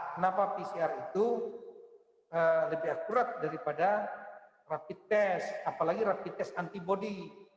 kenapa pcr itu lebih akurat daripada rapid test apalagi rapid test antibody